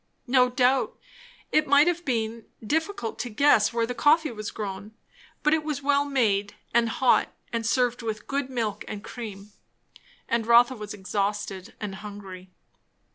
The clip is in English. No doubt, it might have been difficult to guess where the coffee was grown; but it was well made and hot and served with good milk and cream; and Rotha was exhausted and hungry.